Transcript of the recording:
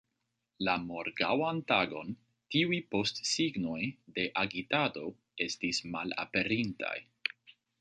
La morgaŭan tagon tiuj postsignoj de agitado estis malaperintaj.